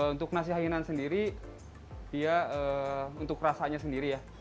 untuk nasi hainan sendiri dia untuk rasanya sendiri ya